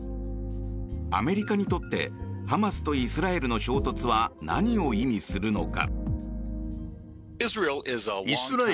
アメリカにとってハマスとイスラエルの衝突は何を意味するのか。